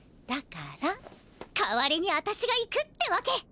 代わりにあたしが行くってわけ！